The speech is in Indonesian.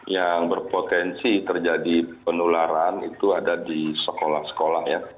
yang berpotensi terjadi penularan itu ada di sekolah sekolah ya